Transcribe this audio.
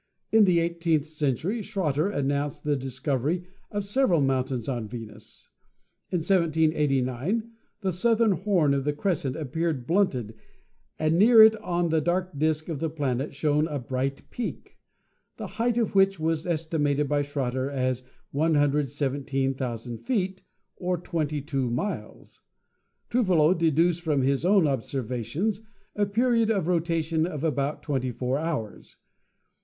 In the eighteenth century Schroter announced the discovery of several mountains on Venus. In 1789 the southern horn of the crescent appeared blunted and near it on the dark disc of the planet shone a bright peak, the height of which was estimated by Schroter as 117,000 feet, or 22 miles. Trouvelot deduced from his own obser vations a period of rotation of about 24 hours.